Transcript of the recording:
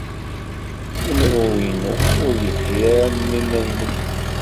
Imru-inu ur yelhi ara am win-nnem.